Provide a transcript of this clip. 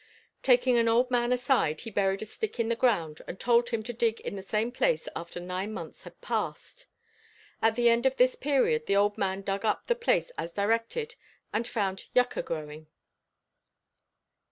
Taking an old man aside he buried a stick in the ground and told him to dig in the same place after nine months had passed; at the end of this period the old man dug up the place as directed and found yuca growing.